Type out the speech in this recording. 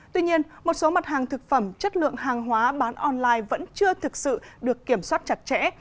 tuy nhiên một số mặt hàng thực phẩm chất lượng hàng hóa bán online vẫn chưa thực sự được kiểm soát chặt chẽ